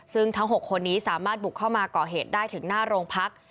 ซึ่งทั้ง๖คนนี้สามารถบุกเข้ามาก่อเหตุได้ถึงหน้าโรงพัก